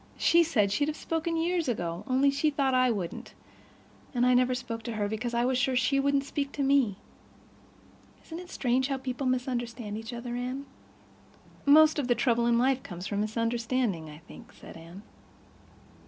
She said she'd have spoken years ago, only she thought I wouldn't. And I never spoke to her because I was sure she wouldn't speak to me. Isn't it strange how people misunderstand each other, Anne?" "Most of the trouble in life comes from misunderstanding, I think," said Anne.